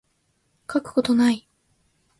書くことない